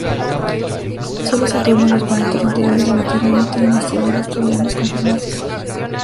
Solo Saturno y los planetas interiores a la Tierra no tienen asteroides troyanos confirmados.